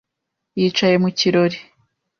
yicaye mu kirori.